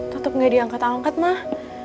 tetep gak diangkat angkat mah